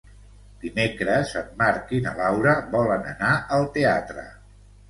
Dimecres en Marc i na Laura volen anar al teatre.